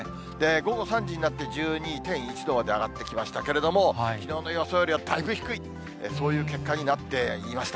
午後３時になって１２．１度まで上がってきましたけれども、きのうの予想よりはだいぶ低い、そういう結果になっていました。